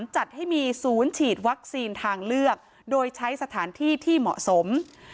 จัดให้มีศูนย์ฉีดวัคซีนทางเลือกโดยใช้สถานที่ที่เหมาะสม